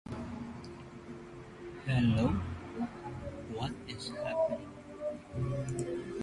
The cars were marketed in a single color: beige.